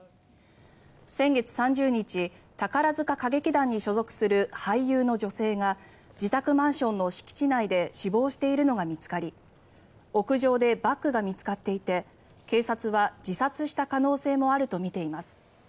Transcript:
先月３０日宝塚歌劇団に所属する俳優の女性が自宅マンションの敷地内で死亡しているのが見つかり屋上でバッグが見つかっていて警察は自殺した可能性もあるとみています。